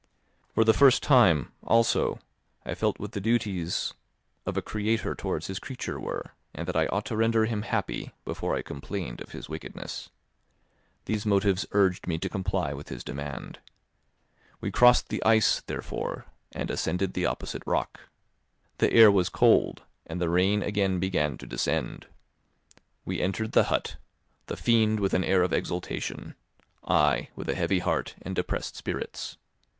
For the first time, also, I felt what the duties of a creator towards his creature were, and that I ought to render him happy before I complained of his wickedness. These motives urged me to comply with his demand. We crossed the ice, therefore, and ascended the opposite rock. The air was cold, and the rain again began to descend; we entered the hut, the fiend with an air of exultation, I with a heavy heart and depressed spirits.